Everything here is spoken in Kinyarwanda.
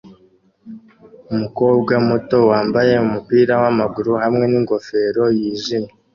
Umukobwa muto wambaye umupira wamaguru hamwe ningofero yijimye